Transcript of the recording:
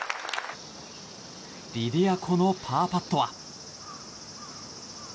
リディア・コのパーパットは。